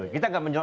kita tidak menjawab